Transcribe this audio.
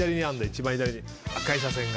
一番左に赤い車線が。